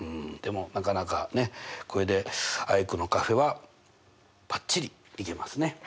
でもなかなかこれでアイクのカフェはバッチリいけますね。